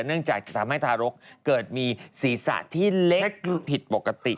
เนื่องจากจะทำให้ทารกเกิดมีศีรษะที่เล็กผิดปกติ